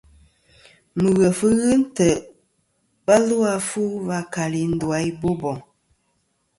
Mɨghef ghɨ ntè' va lu a fu va kali ndu a i Boboŋ.